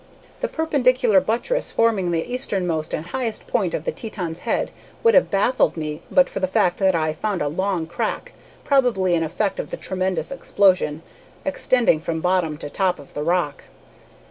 "The perpendicular buttress forming the easternmost and highest point of the Teton's head would have baffled me but for the fact that I found a long crack, probably an effect of the tremendous explosion, extending from bottom to top of the rock.